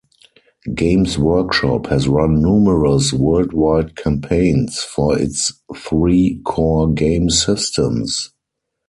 Games Workshop has run numerous "Worldwide Campaigns" for its three core game systems.